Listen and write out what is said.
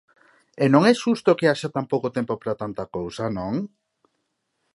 E non é xusto que haxa tan pouco tempo para tanta cousa, ¿non?